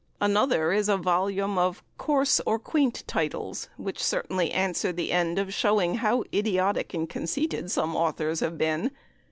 Another is a volume of coarse or quaint titles, which certainly answer the end of showing how idiotic and conceited some authors have been.